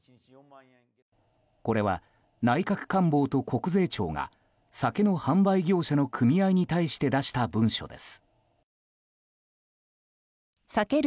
これは、内閣官房と国税庁が酒の販売業者の組合に対して出した文書です。